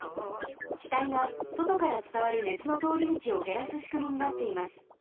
きたいがそとからつたわる熱の通りみちをへらすしくみになっています。